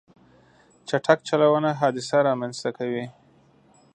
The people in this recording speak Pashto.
چټک چلوونه حادثه رامنځته کوي.